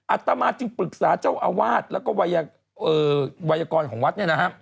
อัตมานึงปรึกษาเจ้าอาวาสแล้วก็วัยกรของวัด